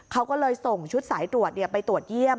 เขาก็เลยส่งชุดสายตรวจไปตรวจเยี่ยม